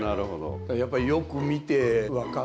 やっぱりよく見て分かって作ってる。